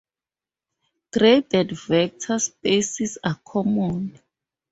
Graded vector spaces are common.